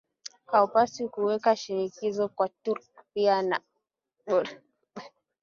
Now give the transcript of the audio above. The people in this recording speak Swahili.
Haupaswi kuweka shinikizo kwa Turk pia ni bora kukubaliana